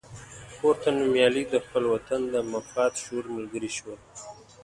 پورته نومیالي د خپل وطن د مفاد شعور ملګري شول.